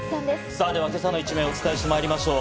さぁでは今朝の一面をお伝えしてまいりましょう。